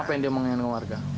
apa yang dia menginginkan warga